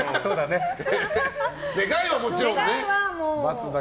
願いはもちろんね。